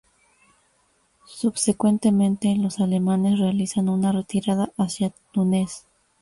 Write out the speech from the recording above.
Subsecuentemente, los alemanes realizan una retirada hacia Túnez.